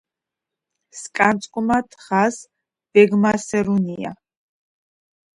სქანწკუმა დღას ვეგმასერუნია